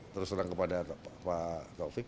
terus terang kepada pak taufik